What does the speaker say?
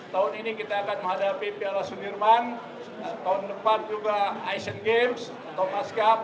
tahun ini kita akan menghadapi piala sudirman tahun depan juga asian games thomas cup